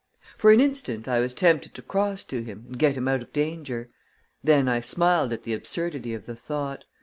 For an instant, I was tempted to cross to him, and get him out of danger. Then I smiled at the absurdity of the thought.